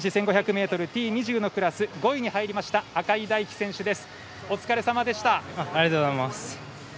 ｍＴ２０のクラス５位に入りました赤井大樹選手です。